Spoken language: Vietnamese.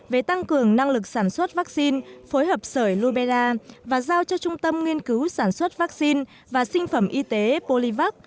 về tăng cường năng lực sản xuất vaccine phối hợp sởi luberra và giao cho trung tâm nghiên cứu sản xuất vaccine và sinh phẩm y tế polivac